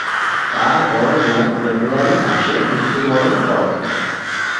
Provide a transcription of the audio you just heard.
তার বড় বোন ফেব্রুয়ারি মাসে মৃত্যুবরণ করে।